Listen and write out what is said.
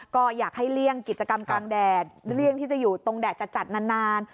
ก็อยากให้เลี่ยงกิจกรรมกลางแดดเลี่ยงที่จะอยู่ตรงแดดจัดนาน